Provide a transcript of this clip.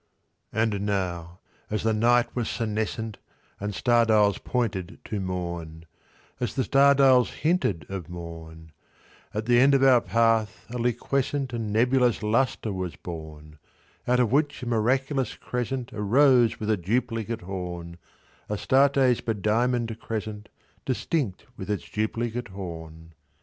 And now, as the night was senescent, And star dials pointed to morn— As the star dials hinted of morn— At the end of our path a liquescent And nebulous lustre was born, Out of which a miraculous crescent Arose with a duplicate horn— Astarte's bediamonded crescent, Distinct with its duplicate horn.